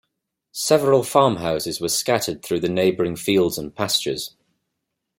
Several farmhouses were scattered through the neighbouring fields and pastures.